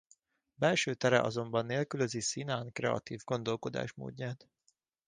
Belső tere azonban nélkülözi Szinán kreatív gondolkodásmódját.